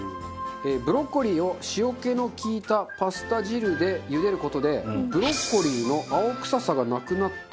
ブロッコリーを塩気の利いたパスタ汁で茹でる事でブロッコリーの青臭さがなくなって甘さが出ます。